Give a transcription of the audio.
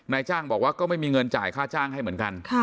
นายจ้างบอกว่าก็ไม่มีเงินจ่ายค่าจ้างให้เหมือนกัน